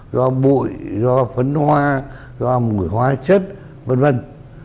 do bụi do phấn hoa do mùi hoa chất vân vân